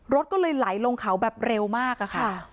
รถก็เลยไหลลงเขาแบบเร็วมากอะค่ะ